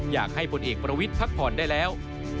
พลเอกประวิทย์พักผ่อนได้แล้ว